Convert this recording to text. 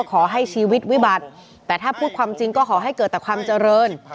ขอให้ชีวิตวิบัติแต่ถ้าพูดความจริงก็ขอให้เกิดแต่ความเจริญ